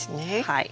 はい。